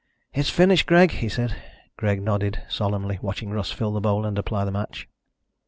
"It's finished, Greg," he said. Greg nodded solemnly, watching Russ fill the bowl and apply the match.